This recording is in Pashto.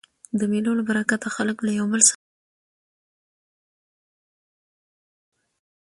د مېلو له برکته خلک له یو بل سره خپل فکرونه شریکوي.